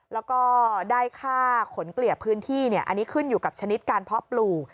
แล้วก็ได้ค่าขนเกลี่ยพื้นที่อันนี้ขึ้นอยู่กับชนิดการเพาะปลูก